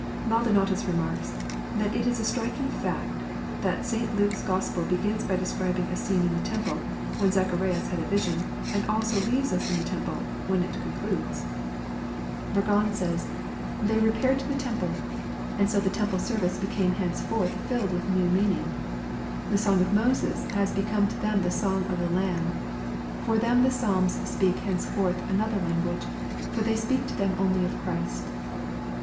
Maldonatus remarks, " that it is a striking fact that St Luke*a Gospel begins by describing a scene in the temple, when Zacha rias had has vision, and also leaves us ir the temple, when it con cladeSb" 23 530 EXPOSITORY THOUGHTS. Burgon says, " They repaired to the temple, an:l so the temple service became hencefortli filled with new meaning. The song of Moses has become to them the song of the Lamb. For them the Psalms speak henceforth anoth(,T language, for they speak to them only of Christ.